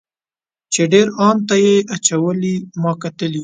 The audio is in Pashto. چې ډیر ان ته یې اچولې ما کتلی.